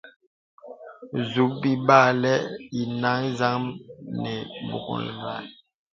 Sùp bìpàghà ìnə zəkbən nə mgbōlka.